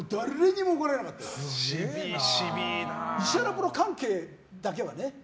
プロ関係だけはね。